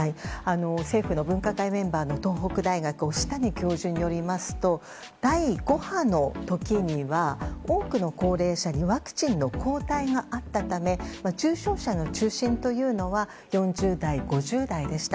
政府の分科会メンバーの東北大学押谷教授によりますと第５波の時には多くの高齢者にワクチンの抗体があったため重症者の中心というのは４０代、５０代でした。